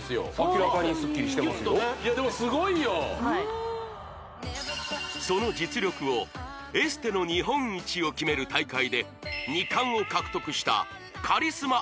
キュッとねいやでもすごいよその実力をエステの日本一を決める大会で２冠を獲得したカリスマ